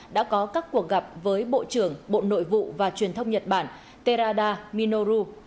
đã có các cuộc gặp với bộ trưởng bộ nội vụ và truyền thông nhật bản téra minoru